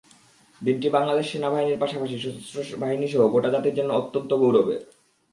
দিনটি বাংলাদেশ নৌবাহিনীর পাশাপাশি সশস্ত্র বাহিনীসহ গোটা জাতির জন্য অত্যন্ত গৌরবের।